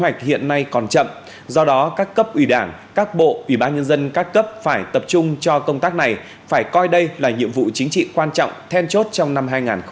các cấp ủy đảng các bộ ủy ban nhân dân các cấp phải tập trung cho công tác này phải coi đây là nhiệm vụ chính trị quan trọng then chốt trong năm hai nghìn hai mươi hai